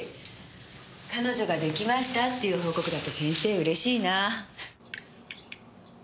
「彼女ができました」っていう報告だと先生うれしいなぁ。